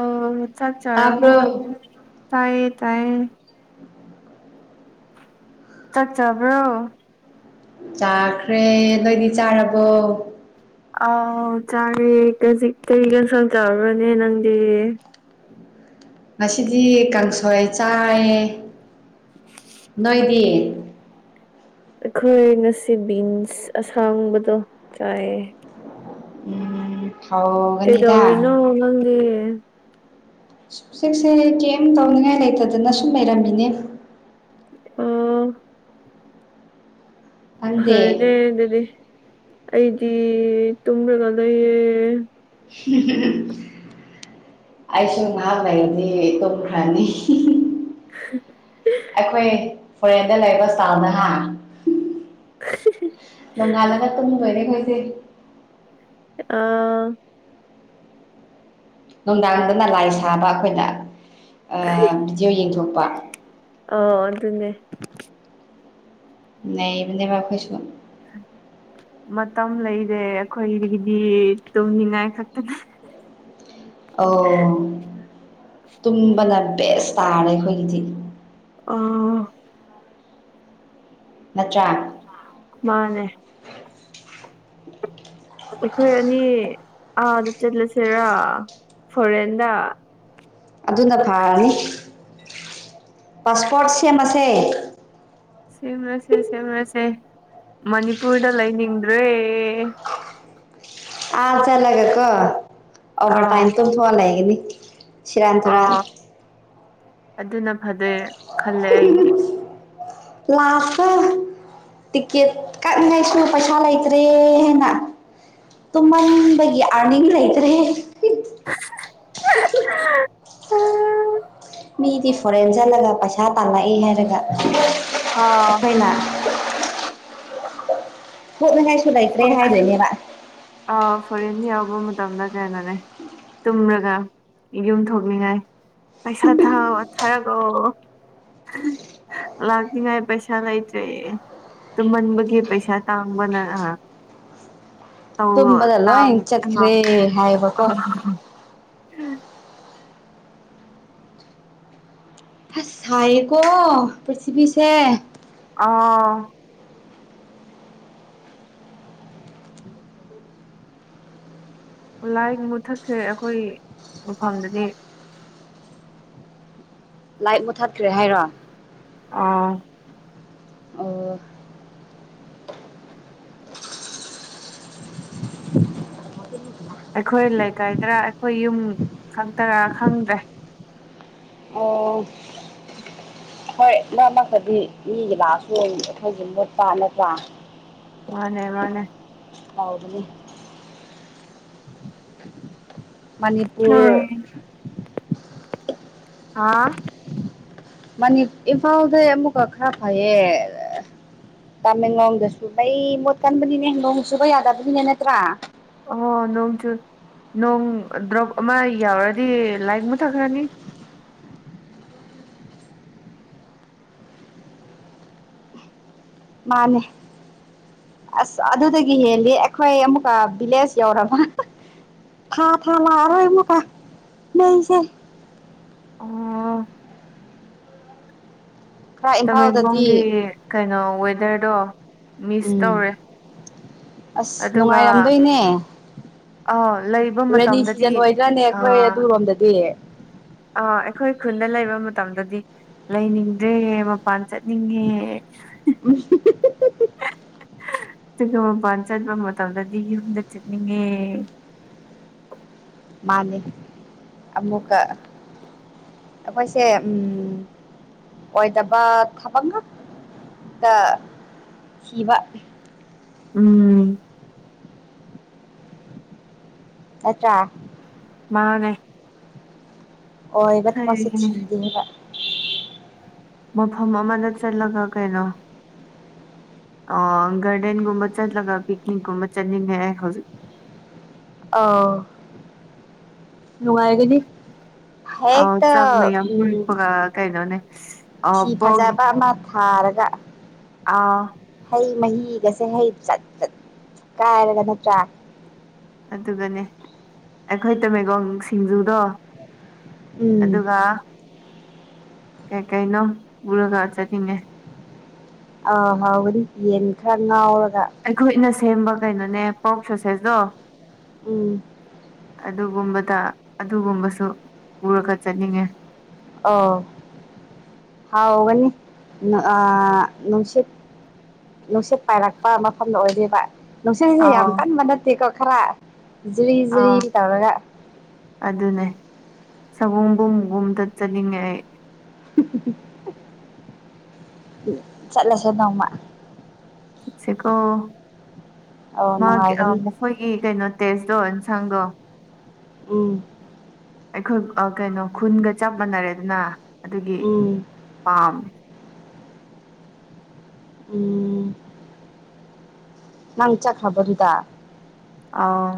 ꯑꯣ ꯆꯥꯛ ꯆꯥꯔꯕ꯭ꯔꯣ ꯇꯥꯕ꯭ꯔꯣ ꯇꯥꯏꯌꯦ ꯇꯥꯏꯌꯦ ꯆꯥꯛ ꯆꯥꯕ꯭ꯔꯣ ꯆꯥꯈ꯭ꯔꯦ ꯅꯣꯏꯗꯤ ꯆꯥꯔꯕꯣ ꯑꯥꯎ ꯆꯥꯔꯦ ꯀꯖꯤꯛ ꯀꯩ ꯁꯥꯡ ꯆꯕ꯭ꯔꯅꯦ ꯅꯪꯗꯤ ꯉꯁꯤꯗꯤ ꯀꯥꯡꯁꯣꯏ ꯆꯥꯏꯌꯦ [inaudible] ꯅꯣꯏꯗꯤ ꯑꯩꯈꯣꯏ ꯉꯁꯤ ꯕꯤꯟꯁ ꯑꯁꯥꯡꯕꯗꯣ ꯆꯥꯏꯌꯦ ꯍꯥꯎꯒꯅꯤꯗꯥ ꯀꯩꯗꯧꯔꯤꯅꯣ ꯅꯪꯗꯤ ꯍꯨꯖꯤꯛꯁꯦ ꯀꯩꯝ ꯇꯧꯅꯤꯉꯥꯏ ꯂꯩꯇꯗꯅ ꯁꯨꯝ ꯂꯩꯔꯝꯃꯤꯅꯦ ꯎꯝ ꯅꯪꯗꯤ ꯐꯔꯦꯅꯦ ꯑꯗꯨꯗꯤ ꯑꯩꯗꯤ ꯇꯨꯝꯂꯒ ꯂꯩꯌꯦ ꯍꯤ ꯍꯤ ꯑꯩꯁꯨ ꯅꯍꯥꯛ ꯂꯩꯔꯗꯤ ꯇꯨꯝꯈ꯭ꯔꯥꯅꯤ ꯍꯤ ꯍꯤ ꯍꯥ ꯑꯩꯈꯣꯏ ꯐꯣꯔꯦꯟꯗ ꯂꯩꯕ ꯆꯥꯎꯅ ꯍꯥ ꯅꯣꯡꯉꯥꯜꯂꯛ ꯇꯨꯗꯣꯏꯅꯦ ꯑꯩꯈꯣꯏꯗꯤ ꯑꯥ ꯅꯨꯡꯗꯥꯡꯗꯅ ꯂꯥꯏ ꯁꯥꯕ ꯑꯩꯈꯣꯏꯅ ꯚꯤꯗꯤꯑꯣ ꯌꯦꯡꯊꯣꯛꯄ ꯑꯥ ꯑꯗꯨꯅꯦ ꯅꯩꯕꯅꯦꯕ ꯑꯩꯈꯣꯏꯁꯨ ꯃꯇꯝ ꯂꯩꯔꯦ ꯑꯩꯈꯣꯏꯒꯤꯗꯤ ꯇꯨꯝꯅꯤꯡꯉꯥꯏ ꯈꯛꯇꯅꯦ ꯑꯣ ꯇꯨꯝꯕꯅ ꯕꯦꯁ ꯇꯥꯔꯦ ꯑꯩꯈꯣꯏꯒꯤꯗꯤ ꯑꯥ ꯅꯠꯇ꯭ꯔ ꯃꯥꯅꯦ ꯑꯩꯈꯣꯏ ꯑꯅꯤ ꯑꯥꯗ ꯆꯠꯂꯁꯤꯔꯥ ꯐꯣꯔꯦꯟꯗ ꯑꯗꯨꯅ ꯐꯥꯔꯅꯤ ꯄꯥꯁꯄꯣꯔꯠ ꯁꯦꯝꯃꯁꯦ ꯁꯦꯝꯔꯁꯦ ꯁꯦꯝꯔꯁꯦ ꯃꯅꯤꯄꯨꯔꯗ ꯂꯩꯅꯤꯡꯗ꯭ꯔꯦ ꯑꯥ ꯆꯠꯂꯒ ꯀꯣ ꯑꯣꯚꯔ ꯑꯥ ꯇꯥꯏꯝ ꯇꯨꯝꯊꯣꯛꯂ ꯂꯩꯒꯅꯤ ꯁꯤꯔꯥꯟ ꯇꯨꯔꯥꯟ ꯑꯥ ꯑꯗꯨꯅ ꯐꯗꯣꯏ ꯈꯜꯂꯦ ꯑꯩꯒꯤꯗꯤ ꯂꯥꯁꯇ ꯇꯤꯀꯦꯠ ꯀꯛꯅꯤꯡꯉꯥꯏꯁꯨ ꯄꯩꯁꯥ ꯂꯩꯇ꯭ꯔꯦꯅ ꯇꯨꯃꯟꯕꯒꯤ ꯑꯥꯔꯅꯤꯡ ꯂꯩꯇ꯭ꯔꯦ ꯃꯤꯗꯤ ꯐꯣꯔꯦꯟ ꯆꯠꯂꯒ ꯄꯩꯁꯥ ꯇꯥꯜꯂꯛꯏꯦ ꯍꯥꯏꯔꯒ ꯑꯥ ꯑꯩꯈꯣꯏꯅ ꯊꯣꯛꯅꯉꯥꯏꯁꯨ ꯂꯩꯇ꯭ꯔꯦ ꯍꯥꯏꯗꯣꯏꯅꯦꯕ ꯑꯥ ꯐꯣꯔꯦꯟ ꯌꯥꯎꯕ ꯃꯇꯝꯗ ꯀꯩꯅꯣꯅꯦ ꯇꯨꯝꯔꯒ ꯌꯨꯝ ꯊꯣꯛꯅꯤꯡꯉꯥꯏ ꯄꯩꯁꯥ ꯊꯥꯎ ꯊꯥꯔꯒꯑꯣ ꯂꯥꯛꯅꯤꯉꯥꯏ ꯄꯩꯁꯥ ꯂꯩꯇ꯭ꯔꯦ ꯇꯨꯝꯍꯟꯕꯒꯤ ꯄꯩꯁꯥ ꯇꯥꯡꯕꯅ ꯑꯥ ꯇꯧꯋꯣ ꯇꯨꯝꯕꯗ ꯂꯣꯏ ꯆꯠꯈ꯭ꯔꯦ ꯍꯥꯏꯕꯀꯣ [unintelligible] ꯆꯥꯏꯌꯦꯀꯣ ꯄꯔꯤꯊꯤꯕꯤꯁꯦ ꯑꯥ ꯂꯥꯏꯠ ꯃꯨꯊꯠꯈ꯭ꯔꯦ ꯑꯩꯈꯣꯏꯒꯤ ꯃꯐꯝꯗꯗꯤ ꯂꯥꯏꯛ ꯃꯨꯊꯠꯈ꯭ꯔꯦ ꯍꯥꯏꯔꯣ ꯑꯥ ꯑꯣ ꯑꯩꯈꯣꯏ ꯂꯩꯀꯥꯏꯗꯔꯥ ꯑꯩꯈꯣꯏ ꯌꯨꯝ ꯈꯛꯇꯔꯥ ꯈꯪꯗ꯭ꯔꯦ ꯑꯣ [unintelligible] ꯃꯤꯒꯤ ꯂꯥꯛꯑꯁꯨ ꯑꯩꯈꯣꯏꯁꯨ ꯃꯨꯠꯄ ꯅꯠꯇ꯭ꯔꯥ ꯃꯥꯅꯦ ꯃꯥꯅꯦ ꯇꯥꯎꯕꯅꯦ ꯃꯅꯤꯄꯨꯔ ꯎꯝ ꯑꯥ ꯃꯅꯤ ꯏꯝꯐꯥꯜꯗꯩ ꯑꯃꯨꯛꯀ ꯈꯔ ꯐꯩꯌꯦ ꯇꯥꯃꯦꯡꯂꯣꯡꯗꯁꯨ ꯑꯩꯩ ꯃꯨꯠꯀꯟꯕꯅꯤꯅꯦ ꯅꯣꯡ ꯆꯨꯕ ꯌꯥꯗꯕꯅꯤꯅꯦ ꯅꯠꯇ꯭ꯔꯥ ꯑꯣ ꯅꯣꯡ ꯆꯨ ꯅꯣꯡ ꯗ꯭ꯔꯣꯞ ꯑꯃ ꯌꯥꯎꯔꯗꯤ ꯂꯥꯏꯛ ꯃꯨꯊꯛꯈ꯭ꯔꯅꯤ ꯃꯥꯅꯦ ꯑꯁ ꯑꯗꯨꯗꯒꯤ ꯍꯦꯜꯂꯤ ꯑꯩꯈꯣꯏ ꯑꯃꯨꯛꯀ ꯚꯤꯂꯦꯖ ꯌꯧꯔꯕ ꯊꯥ ꯊꯥ ꯂꯥꯛꯑꯔꯣꯏ ꯃꯨꯛꯀ ꯃꯩꯁꯦ ꯑꯣ ꯈꯔ ꯏꯝꯐꯥꯜꯗꯗꯤ ꯇꯃꯦꯡꯂꯣꯡꯒꯤ ꯀꯩꯅꯣ ꯋꯦꯗꯔꯗꯣ ꯃꯤꯁ ꯎꯝ ꯇꯧꯔꯦ ꯑꯁ ꯑꯗꯨꯒ ꯅꯨꯡꯉꯥꯏꯔꯝꯗꯣꯏꯅꯦ ꯑꯥ ꯂꯩꯕ ꯔꯦꯅꯤ ꯃꯇꯝꯗꯗꯤ ꯁꯤꯖꯟ ꯑꯣꯏꯗ꯭ꯔꯥꯅꯦ ꯑꯩꯈꯣꯏ ꯑꯥ ꯑꯗꯨꯔꯣꯝꯗꯗꯤ ꯑꯥ ꯑꯩꯈꯣꯏ ꯈꯨꯟꯗ ꯂꯩꯕ ꯃꯇꯝꯗꯗꯤ ꯂꯩꯅꯤꯡꯗ꯭ꯔꯦ ꯃꯄꯥꯟ ꯆꯠꯅꯤꯡꯉꯦ [unintelligible] ꯑꯗꯨꯒ ꯃꯄꯥꯟ ꯆꯠꯄ ꯃꯇꯝꯗꯗꯤ ꯌꯨꯝꯗ ꯆꯠꯅꯤꯡꯉꯦ ꯃꯥꯅꯤ ꯑꯃꯨꯛꯀ ꯑꯩꯈꯣꯏꯁꯦ ꯎꯝ ꯑꯣꯏꯗꯕ ꯊꯕꯛ ꯉꯥꯛ ꯇ ꯊꯤꯕ ꯎꯝ ꯅꯠꯇ꯭ꯔ ꯃꯥꯅꯦ ꯑꯣꯏꯕ ꯊꯕꯛꯁꯦ ꯊꯤꯗꯦꯕ ꯃꯐꯝ ꯑꯃꯗ ꯆꯠꯂꯒ ꯀꯩꯅꯣ ꯑꯣ ꯒꯥꯔꯗꯦꯟꯒꯨꯝꯕ ꯆꯠꯂꯒ ꯄꯤꯛꯅꯤꯛꯀꯨꯝꯕ ꯆꯠꯅꯤꯡꯉꯦ ꯍꯧꯖꯤꯛ ꯑꯧ ꯅꯨꯡꯉꯥꯏꯒꯅꯤ ꯍꯦꯛꯇ ꯆꯥꯛ ꯃꯌꯥꯝ ꯎꯝ ꯄꯨꯔꯛꯄꯒ ꯀꯩꯅꯣꯅꯦ ꯐꯤ ꯄꯣꯛ ꯐꯖꯕ ꯑꯃ ꯊꯥꯔꯒ ꯑꯥ ꯑꯩ ꯃꯍꯤꯒꯁꯦ ꯍꯩ ꯆꯠ ꯆꯠ ꯀꯥꯏꯔꯒ ꯅꯠꯇ꯭ꯔꯥ ꯑꯗꯨꯒꯅꯦ ꯑꯩꯈꯣꯏ ꯇꯃꯦꯂꯣꯡ ꯁꯤꯡꯖꯨꯗꯣ ꯎꯝ ꯑꯗꯨꯒ ꯀꯩ ꯀꯩꯅꯣ ꯄꯨꯔꯒ ꯆꯠꯅꯤꯡꯉꯦ ꯑꯥ ꯍꯥꯎꯕꯗꯤ ꯌꯦꯟ ꯈꯔ ꯉꯥꯎꯔ ꯑꯩꯈꯣꯏꯅ ꯁꯦꯝꯕ ꯀꯩꯅꯣꯅꯦ ꯄꯣꯔꯣꯛ ꯁꯣꯁꯦꯁꯇꯣ ꯎꯝ ꯑꯗꯨꯒꯨꯝꯕ ꯗ ꯑꯗꯨꯒꯨꯝꯕꯁꯨ ꯄꯨꯔꯒ ꯆꯠꯅꯤꯡꯉꯦ ꯑꯧ ꯍꯥꯎꯒꯅꯤ ꯑꯥ ꯅꯨꯡꯁꯤꯠ ꯅꯨꯡꯁꯤꯠ ꯄꯥꯏꯔꯛꯄ ꯃꯐꯝꯗ ꯑꯣꯏꯗꯩꯕ ꯅꯨꯡꯁꯤꯠꯁꯦ ꯑꯥꯎ ꯌꯥꯝ ꯀꯟꯕ ꯅꯠꯇꯦꯀꯣ ꯈꯔ ꯖꯤꯔꯤ ꯑꯥꯎ ꯖꯤꯔꯤ ꯇꯧꯔꯒ ꯁꯑꯣꯝꯕꯨꯝ ꯒꯨꯝꯕꯗ ꯇꯠꯆꯅꯤꯡꯉꯦ ꯑꯩ ꯆꯠꯂꯁꯦ ꯅꯣꯡꯃ ꯆꯠꯁꯦꯀꯣ ꯑꯧ ꯃꯥꯒꯤ ꯅꯨꯡꯉꯥꯏꯒꯅꯤ ꯃꯈꯣꯏꯒꯤ ꯀꯩꯅꯣ ꯇꯦꯁꯇꯣꯟ ꯁꯥꯡꯗꯣ ꯎꯝ ꯑꯩꯈꯣꯏ ꯀꯩꯅꯣ ꯈꯨꯟꯒ ꯆꯞ ꯃꯥꯟꯅꯔꯦꯗꯅ ꯑꯗꯨꯒꯤ ꯎꯝ ꯄꯥꯝꯃꯦ ꯎꯝ ꯅꯪ ꯆꯠꯈ꯭ꯔꯕꯣ ꯑꯗꯨꯗ ꯑꯧ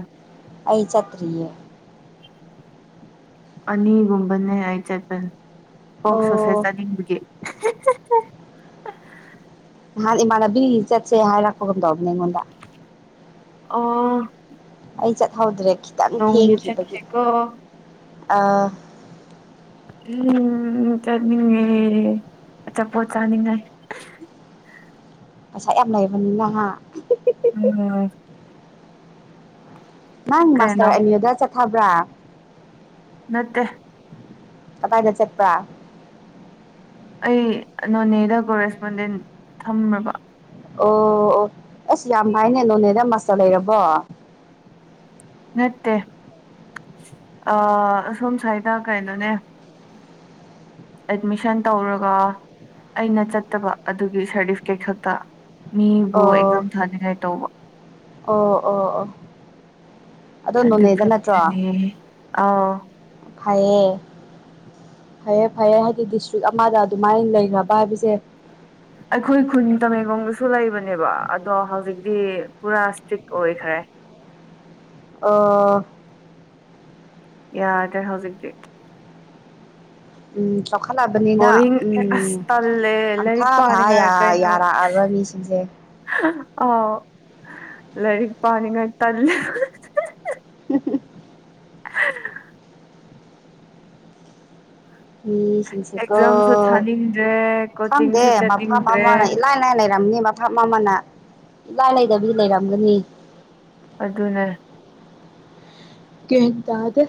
ꯑꯩ ꯆꯠꯇ꯭ꯔꯤꯌꯦ ꯑꯅꯤꯒꯨꯝꯕꯅꯦ ꯑꯩ ꯆꯠꯄꯅꯦ ꯄꯣꯛ ꯑꯣ ꯁꯣꯁꯦꯁ ꯆꯅꯤꯡꯕꯒꯤ ꯅꯍꯟ ꯏꯃꯥꯟꯅꯕꯤ ꯆꯠꯁꯦ ꯍꯥꯏꯔꯛꯄꯒꯝ ꯇꯧꯕꯅꯦ ꯑꯩꯉꯣꯟꯗ ꯑꯣ ꯑꯩ ꯆꯠꯍꯧꯗ꯭ꯔꯦ ꯈꯤꯇꯪ ꯅꯣꯡꯃ ꯊꯦꯡꯈꯤꯕꯒꯤ ꯆꯠꯁꯦꯀꯣ ꯑꯧ ꯎꯝ ꯆꯠꯅꯤꯡꯉꯦ ꯑꯆꯥꯄꯣꯠ ꯆꯥꯅꯤꯡꯉꯥꯏ ꯄꯩꯁꯥ ꯌꯥꯝ ꯂꯩꯕꯅꯤꯅ ꯍꯥ ꯎꯝ ꯅꯪ ꯀꯩꯅꯣ ꯃꯥꯁꯇꯔ ꯑꯅꯤꯌꯨꯗ ꯆꯠꯊꯕ꯭ꯔꯥ ꯅꯠꯇꯦ ꯀꯗꯥꯢꯗ ꯆꯠꯄ꯭ꯔ ꯑꯩ ꯅꯣꯅꯦꯗ ꯀꯣꯔꯦꯁꯄꯣꯟꯗꯦꯟ ꯊꯝꯂꯕ ꯑꯣ ꯑꯣ ꯑꯁ ꯌꯥꯝ ꯉꯥꯏꯅꯦ ꯅꯣꯅꯦꯗ ꯃꯥꯁꯇꯔ ꯂꯩꯔꯕꯣ ꯅꯠꯇꯦ ꯑꯥ ꯑꯁꯣꯝꯁ꯭ꯋꯥꯏꯗ ꯀꯩꯅꯣꯅꯦ ꯑꯦꯠꯃꯤꯁꯟ ꯇꯧꯔꯒ ꯑꯩꯅ ꯆꯠꯇꯕ ꯑꯗꯨꯒꯤ ꯁꯥꯔꯇꯤꯐꯤꯀꯦꯠ ꯈꯛꯇ ꯃꯤꯕꯨ ꯑꯣ ꯑꯦꯛꯖꯝ ꯊꯅꯤꯡꯉꯥꯏ ꯇꯧꯕ ꯑꯣ ꯑꯣ ꯑꯣ ꯑꯗꯣ ꯑꯗꯨ ꯅꯣꯅꯦꯗ ꯅꯠꯇ꯭ꯔꯣ ꯐꯠꯇꯅꯦ ꯑꯧ ꯐꯩꯌꯦ ꯐꯩꯌꯦ ꯐꯩꯌꯦ ꯍꯥꯏꯗꯤ ꯗꯤꯁꯇ꯭ꯔꯤꯛ ꯑꯃꯗ ꯑꯗꯨꯃꯥꯏꯅ ꯂꯩꯈꯒ꯭ꯔꯕ ꯍꯥꯏꯕꯁꯦ ꯑꯩꯈꯣꯏ ꯈꯨꯟ ꯇꯃꯦꯡꯂꯣꯡ ꯁꯨ ꯂꯩꯕꯅꯦꯕ ꯑꯗꯣ ꯍꯧꯖꯤꯛꯇꯤ ꯄꯨꯔꯥ ꯏꯁꯇ꯭ꯔꯤꯛ ꯑꯣꯏꯈ꯭ꯔꯦ ꯑꯥ ꯌꯥꯗ꯭ꯔꯦ ꯍꯧꯖꯤꯛꯇꯤ ꯎꯝ ꯆꯥꯎꯈꯠꯂꯛꯑꯕꯅꯤꯅ ꯕꯣꯔꯤꯡ ꯑꯁ ꯎꯝ ꯇꯜꯂꯦ ꯂꯥꯏꯔꯤꯛ ꯑꯪꯊꯥ ꯊꯥ ꯄꯥꯅꯤꯡꯉꯥꯏ ꯌꯥ ꯌꯥꯔꯛꯑꯔꯣꯏ ꯃꯤꯁꯤꯡꯁꯦ ꯑꯧ ꯂꯔꯤꯛ ꯄꯅꯤꯡꯉꯥꯏ ꯇꯟꯂꯦ [unintelligible] [unintelligible] ꯃꯤꯁꯤꯡꯁꯦꯀꯣ ꯑꯦꯛꯖꯥꯝꯁꯨ ꯊꯥꯅꯤꯡꯗ꯭ꯔꯦ ꯈꯪꯗꯦ ꯀꯣꯆꯤꯡꯁꯨ ꯃꯐꯝ ꯆꯠꯅꯤꯡꯗ꯭ꯔꯦ ꯑꯃ ꯏꯂꯥꯏ ꯂꯥꯏꯅ ꯂꯩꯔꯝꯅꯤ ꯃꯐꯝ ꯑꯃꯅ ꯏꯂꯥꯏ ꯂꯩꯗꯕꯤꯗꯤ ꯂꯩꯔꯝꯒꯅꯤ ꯑꯗꯨꯅꯦ ꯒ꯭ꯌꯥꯟ ꯇꯥꯗꯦ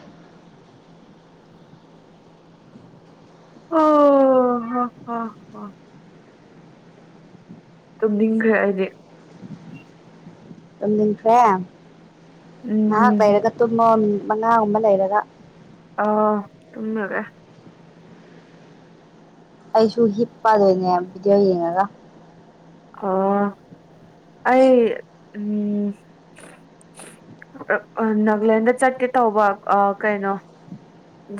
ꯑꯣ ꯍ ꯍ ꯍ ꯇꯝꯅꯤꯡꯈ꯭ꯔꯦ ꯑꯩꯗꯤ ꯇꯨꯝꯅꯤꯡꯈ꯭ꯔꯦ ꯉꯍꯥꯛ ꯎꯝ ꯂꯩꯔꯒ ꯇꯨꯝꯃꯣ ꯃꯉꯥꯒꯨꯝꯕ ꯂꯩꯔꯒ ꯑꯣ ꯇꯨꯝꯔꯒꯦ ꯑꯩꯁꯨ ꯍꯤꯞꯄꯗꯣꯏꯅꯦ ꯚꯤꯗꯤꯑꯣ ꯌꯦꯡꯉꯒ ꯑꯣ ꯑꯩ ꯎꯝ ꯑꯛ ꯑꯥ ꯅꯥꯒꯥꯂꯦꯟꯗ ꯆꯠꯀꯦ ꯇꯧꯕ ꯀꯩꯅꯣ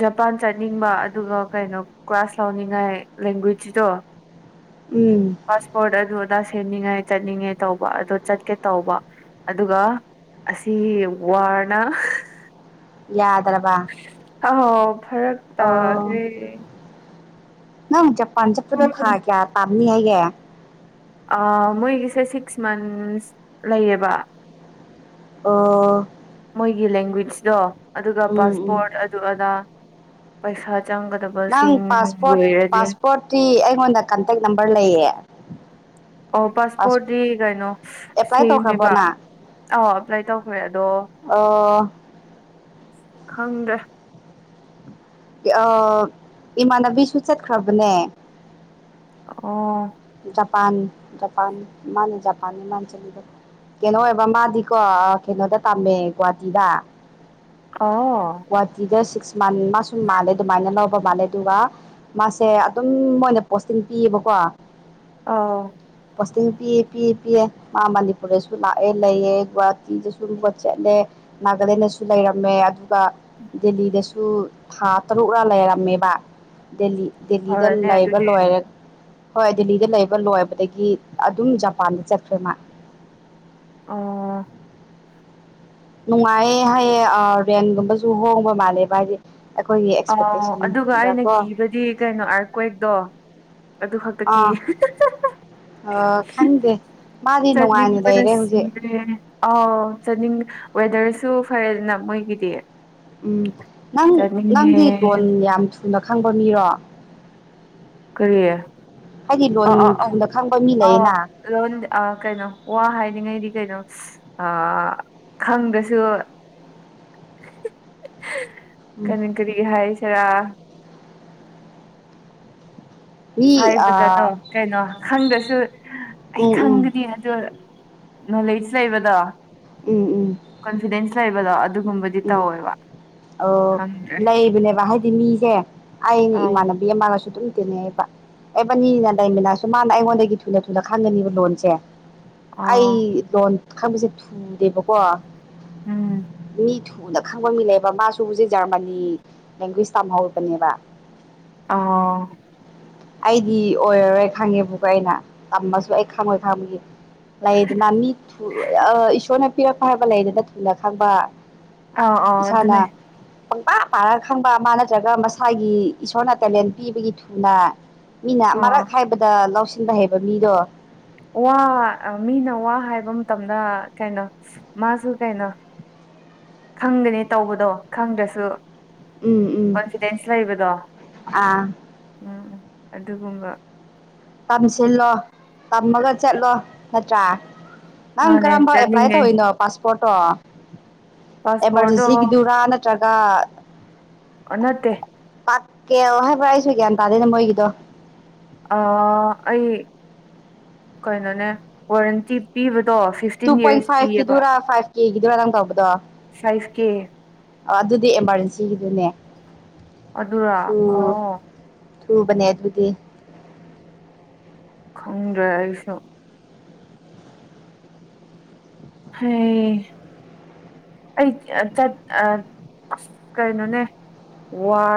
ꯖꯄꯥꯟ ꯆꯠꯅꯤꯡꯕ ꯑꯗꯨꯒ ꯀꯩꯅꯣ ꯀ꯭ꯂꯥꯁ ꯂꯧꯥꯎꯅꯤꯡꯉꯥꯏ ꯂꯦꯡꯒ꯭ꯋꯦꯖꯀꯤꯗꯣ ꯎꯝ ꯄꯥꯁꯄꯣꯠ ꯑꯗꯨ ꯑꯗ ꯁꯤ ꯁꯦꯝꯅꯤꯡꯉꯥꯏ ꯆꯠꯅꯤꯡꯉꯦ ꯇꯧꯕ ꯑꯗꯣ ꯆꯠꯀꯦ ꯇꯧꯕ ꯑꯗꯨꯒ ꯑꯁꯤ ꯋꯥꯔꯅ ꯌꯥꯗ꯭ꯔꯕꯥ ꯈꯪꯉꯣ ꯐꯔꯛ ꯇꯥꯒ꯭ꯔꯦ ꯅꯪ ꯖꯄꯥꯟ ꯆꯠꯄꯗ ꯊꯥ ꯀꯌꯥ ꯇꯥꯝꯅꯤ ꯍꯥꯏꯒꯦ ꯑꯥ ꯃꯣꯏꯒꯤꯁꯦ ꯁꯤꯛꯁ ꯃꯟꯁ ꯂꯩꯌꯦꯕ ꯑꯣ ꯃꯣꯏꯒꯤ ꯂꯦꯡꯒ꯭ꯋꯦꯖꯗꯣ ꯑꯗꯨꯒ ꯎꯝ ꯎꯝ ꯄꯥꯁꯄꯣꯔꯠ ꯑꯗꯨ ꯑꯗꯥ ꯄꯩꯁꯥ ꯅꯪ ꯆꯪꯒꯗꯕꯁꯤꯡ ꯄꯥꯁꯄꯣꯔꯠ ꯂꯣꯏꯔꯗꯤ ꯄꯥꯁꯄꯣꯔꯠꯇꯤ ꯑꯩꯉꯣꯟꯗ ꯀꯟꯇꯦꯛ ꯅꯝꯕꯔ ꯂꯩꯌꯦ ꯑꯣ ꯄꯥꯁ ꯄꯥꯁꯄꯣꯔꯠꯇꯤ ꯀꯩꯅꯣ ꯑꯦꯄ꯭ꯂꯥꯏ ꯇꯧꯈ꯭ꯔꯕꯣ ꯁꯦꯝꯃꯦꯕ ꯅꯪ ꯑꯥ ꯑꯦꯄ꯭ꯂꯥꯏ ꯇꯧꯈ꯭ꯔꯦ ꯑꯗꯣ [inaudible] ꯈꯪꯗ꯭ꯔꯦ ꯑꯣ ꯏꯃꯥꯟꯅꯕꯤꯁꯨ ꯆꯠꯈ꯭ꯔꯕꯅꯦ ꯑꯣ ꯖꯄꯥꯟ ꯖꯄꯥꯟ ꯃꯥꯅꯦ ꯖꯄꯥꯟꯅꯤ ꯃꯥꯥꯅ ꯆꯠꯂꯤꯗꯣ ꯀꯩꯅꯣ ꯑꯣꯏꯕ ꯃꯥꯗꯤꯀꯣ ꯀꯩꯅꯣꯗ ꯇꯝꯃꯦ ꯒꯨꯍꯥꯇꯤꯗ ꯑꯥꯎ ꯒꯨꯋꯥꯀꯤꯗ ꯁꯤ ꯁꯨꯃꯥꯟ ꯃꯥꯁꯨꯨ ꯃꯥꯜꯂꯦ ꯑꯗꯨꯃꯥꯏꯅ ꯂꯧꯕ ꯃꯥꯜꯂꯦ ꯑꯗꯨꯒ ꯃꯥꯁꯦ ꯑꯗꯨꯝ ꯃꯣꯏꯅ ꯄꯣꯁꯇꯤꯡ ꯄꯤꯌꯦꯕꯀꯣ ꯑꯥꯎ ꯄꯣꯁꯇꯤꯡ ꯄꯤ ꯄꯤ ꯄꯤꯌꯦ ꯃꯥ ꯃꯅꯤꯄꯨꯔꯗꯁꯨ ꯂꯥꯛꯑꯦ ꯂꯩꯌꯦ ꯒꯨꯍꯥꯇꯤꯗꯁꯨ ꯂꯨꯝꯕ ꯆꯠꯂꯦ ꯅꯥꯒꯥꯂꯦꯟꯗꯁꯨ ꯂꯩꯔꯝꯃꯦ ꯑꯗꯨꯒ ꯗꯦꯜꯂꯤꯗꯁꯨ ꯊꯥ ꯇꯔꯨꯛꯔ ꯂꯩꯔꯝꯃꯦꯕ ꯗꯦꯂꯤ ꯗꯦꯜꯂꯤꯗ ꯐꯔꯅꯦ ꯂꯩꯕ ꯑꯗꯨꯗꯤ ꯂꯣꯏꯔ ꯍꯣꯏ ꯗꯦꯜꯂꯤꯗ ꯂꯩꯕ ꯂꯣꯏꯕꯗꯒꯤ ꯑꯗꯨꯝ ꯖꯄꯥꯟꯗ ꯆꯠꯈ꯭ꯔꯦ ꯃꯥ ꯑꯣ ꯅꯨꯡꯉꯥꯏꯌꯦ ꯍꯥꯏꯌꯦ ꯔꯦꯟꯒꯨꯝꯕꯁꯨ ꯍꯣꯡꯕ ꯃꯥꯜꯂꯦꯕ ꯍꯥꯏꯗꯤ ꯑꯩꯈꯣꯏꯒꯤ ꯑꯣ ꯑꯗꯨꯒ ꯑꯩꯅ ꯑꯦꯛꯁꯄꯦꯛꯇꯦꯁꯟꯗꯀꯣ ꯀꯤꯕꯗꯤ ꯀꯩꯅꯣ ꯑꯥꯔꯀ꯭ꯋꯛꯇꯣ ꯑꯗꯨ ꯈꯛꯇ ꯑꯥ ꯀꯤꯌꯦ ꯑꯥ ꯈꯪꯗꯦ ꯃꯥꯗꯤ ꯅꯨꯡꯉꯥꯏꯅ ꯆꯠꯅꯤꯡꯕꯅ ꯂꯩꯔꯦ ꯍꯧꯖꯤꯛ ꯁꯤꯔꯦ ꯑꯥ ꯆꯠꯅꯤꯡ ꯋꯦꯗꯔꯁꯨ ꯐꯔꯦꯗꯅ ꯃꯣꯏꯒꯤꯗꯤ ꯎꯝ ꯅꯪ ꯆꯠꯅꯤꯡꯉꯦ ꯅꯪꯗꯤ ꯂꯣꯟ ꯌꯥꯝ ꯊꯨꯅ ꯈꯪꯕ ꯃꯤꯔꯣ ꯀꯔꯤ ꯍꯥꯏꯗꯤ ꯑꯥ ꯑꯥ ꯂꯣꯟ ꯑꯣ ꯊꯨꯅ ꯈꯪꯕ ꯃꯤ ꯑꯥꯎ ꯂꯩꯌꯦꯅ ꯂꯣꯟ ꯑꯥ ꯀꯩꯅꯣ ꯋꯥ ꯍꯥꯏꯔꯤꯉꯩꯗꯤ ꯀꯩꯅꯣ ꯑꯥ ꯈꯪꯗ꯭ꯔꯁꯨ [inaudible] ꯀꯔꯤ ꯀꯔꯤ ꯍꯥꯏꯁꯤꯔꯥ ꯃꯤ ꯍꯥꯏꯕꯗꯗꯣ ꯑꯥ ꯀꯩꯅꯣ ꯈꯪꯗꯁꯨ ꯑꯩ ꯎꯝ ꯎꯝ ꯈꯪꯗ꯭ꯔꯤ ꯑꯗꯣ ꯅꯣꯂꯦꯖ ꯂꯩꯕꯗꯣ ꯎꯝ ꯎꯝ ꯀꯣꯟꯐꯤꯗꯦꯟꯁ ꯂꯩꯕꯗꯣ ꯑꯗꯨꯒꯨꯝꯕꯗꯤ ꯎꯝ ꯇꯧꯋꯦꯕ ꯑꯣ ꯈꯪꯗ꯭ꯔꯦ ꯂꯩꯕꯅꯦꯕ ꯍꯥꯏꯗꯤ ꯃꯤꯁꯦ ꯑꯩꯩꯅ ꯑꯧ ꯏꯃꯥꯟꯅꯕꯤ ꯑꯃꯒꯁꯨ ꯑꯗꯨꯝ ꯇꯤꯟꯅꯩꯑꯦꯕ ꯑꯦꯕꯅꯤꯅ ꯂꯩꯃꯤꯅꯥꯁꯨ ꯃꯥꯅ ꯑꯩꯉꯣꯟꯗꯒꯤ ꯊꯨꯅ ꯊꯨꯅ ꯈꯪꯒꯅꯤꯕ ꯂꯣꯟꯁꯦ ꯑꯥ ꯑꯩ ꯂꯣꯟ ꯈꯪꯕꯁꯦ ꯊꯨꯗꯦꯕꯀꯣ ꯎꯝ ꯃꯤ ꯊꯨꯅ ꯈꯪꯕ ꯃꯤ ꯂꯩꯕ ꯃꯥꯁꯨ ꯍꯧꯖꯤꯛ ꯖꯔꯃꯅꯤ ꯂꯦꯡꯒ꯭ꯋꯦꯁ ꯇꯝꯍꯧꯕꯅꯦꯕ ꯑꯣ ꯑꯩꯗꯤ ꯑꯣꯏꯔꯔꯣꯏ ꯈꯪꯉꯦꯕꯨꯀ ꯑꯩꯅ ꯇꯝꯃꯁꯨ ꯑꯩ ꯈꯪꯉꯣꯏ ꯈꯪꯕꯒꯤ ꯂꯩꯗꯅ ꯃꯤ ꯊꯨꯅ ꯏꯁꯣꯔꯅ ꯄꯤꯔꯛꯄ ꯍꯥꯏꯗꯅ ꯂꯩꯗꯅ ꯊꯨꯅ ꯈꯪꯕ ꯑꯥꯎ ꯑꯥꯎ ꯑꯗꯨꯅꯦ ꯄꯪꯄꯥ ꯄꯥꯔ ꯈꯪꯕ ꯃꯥ ꯅꯠꯇ꯭ꯔꯒ ꯃꯁꯥꯒꯤ ꯏꯁꯣꯔꯅ ꯇꯦꯂꯦꯟ ꯄꯤꯕꯒꯤ ꯊꯨꯅ ꯃꯤꯅ ꯑꯥ ꯃꯔꯛ ꯍꯥꯏꯕꯗ ꯂꯧꯁꯤꯟꯕ ꯍꯩꯕ ꯃꯤꯗꯣ ꯋꯥ ꯃꯤꯅ ꯋꯥ ꯍꯥꯏꯕ ꯃꯇꯝꯗ ꯀꯩꯅꯣ ꯃꯥꯁꯨ ꯀꯩꯅꯣ [inaudible] ꯈꯪꯗꯦꯅꯦ ꯇꯧꯕꯗꯣ ꯈꯪꯗ꯭ꯔꯁꯨ ꯎꯝ ꯎꯝ ꯀꯣꯟꯐꯤꯗꯦꯟꯁ ꯂꯩꯕꯗꯣ ꯑꯥ ꯎꯝ ꯎꯝ ꯑꯗꯨꯒꯨꯝꯕ ꯇꯝꯁꯤꯜꯂꯣ ꯇꯝꯃꯒ ꯆꯠꯂꯣ ꯅꯠꯇ꯭ꯔꯥ ꯅꯪ ꯃꯥꯅꯦ ꯀꯔꯝꯕ ꯑꯦꯄ꯭ꯂꯥꯏ ꯆꯠꯅꯤꯡꯉꯦ ꯇꯧꯔꯤꯅꯣ ꯄꯥꯁꯄꯣꯔꯠꯇꯣ ꯄꯥꯁꯄꯣꯔꯠꯇꯣ ꯑꯦꯃꯥꯔꯖꯦꯟꯁꯤꯒꯤꯗꯨꯔꯥ ꯅꯠꯇ꯭ꯔꯒ ꯑꯥ ꯅꯠꯇꯦ ꯄꯥꯛꯀꯦ ꯑꯣ ꯍꯥꯏꯕ꯭ꯔ ꯑꯩꯁꯨ ꯒ꯭ꯌꯥꯟ ꯇꯥꯗꯦꯅꯦ ꯃꯣꯏꯒꯤꯗꯣ ꯑꯩ ꯀꯩꯅꯣꯅꯦ ꯋꯥꯔꯦꯟꯇꯤ ꯄꯤꯕ ꯇꯨ ꯄꯣꯏꯟ ꯐꯥꯏꯚꯀꯤꯗꯨꯔꯥ ꯐꯥꯏꯚ ꯀꯦꯒꯤꯗꯨꯔꯥ ꯅꯪ ꯇꯧꯕꯗꯣ ꯐꯥꯏꯚ ꯀꯦ ꯑꯗꯨꯗꯤ ꯑꯦꯃꯥꯔꯖꯦꯟꯁꯤꯒꯤꯗꯨꯅꯦ ꯑꯗꯨꯔ ꯑꯣ ꯊꯕꯅꯤ ꯑꯗꯨꯗꯤ ꯈꯪꯗ꯭ꯔꯦ ꯑꯩꯁꯨ ꯍꯩ ꯑꯩ ꯆꯠ ꯀꯩꯅꯣꯅꯦ ꯋꯥ